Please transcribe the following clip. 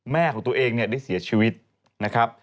แม่ของตัวเองเนี่ยได้เสียชีวิตนะครับ